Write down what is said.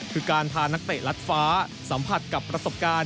คือการพานักเตะลัดฟ้าสัมผัสกับประสบการณ์